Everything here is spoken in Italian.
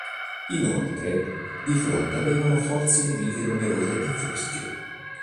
Inoltre, di fronte avevano forze nemiche numerose e fresche.